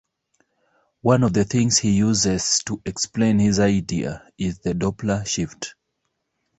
One of the things he uses to explain his idea is the "Doppler shift".